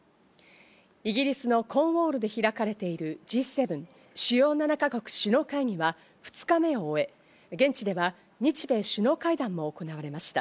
イギリスのコーンウォールで開かれているＧ７＝主要７か国首脳会議は、２日目を終え、現地では日米首脳会談も行われました。